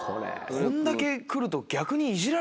こんだけ来ると逆に。